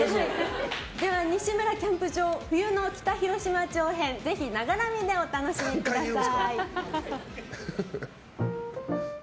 では、「西村キャンプ場」冬の北広島町編ぜひながら見でお楽しみください。